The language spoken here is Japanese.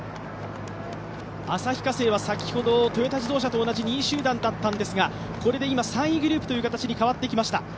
旭化成は先ほどトヨタ自動車と同じ２位集団だったんですが、これで今、３位グループという形に変わってきました。